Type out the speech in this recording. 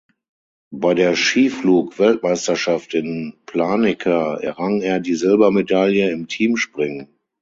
Bei der Skiflug-Weltmeisterschaft in Planica errang er die Silbermedaille im Teamspringen.